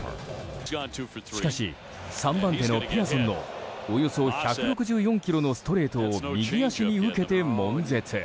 しかし、３番手のピアソンのおよそ１６４キロのストレートを右足に受けて悶絶。